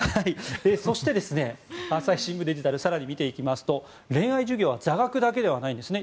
そして、朝日新聞デジタルを更に見ていきますと恋愛授業は座学だけではないんですね。